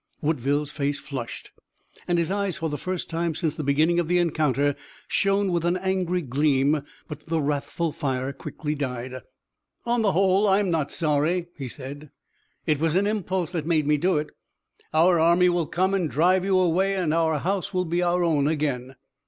Woodville's face flushed, and his eyes for the first time since the beginning of the encounter shone with an angry gleam. But the wrathful fire quickly died. "On the whole, I'm not sorry," he said. "It was an impulse that made me do it. Our army will come and drive you away, and our house will be our own again."